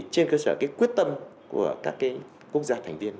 trên cơ sở quyết tâm của các quốc gia thành viên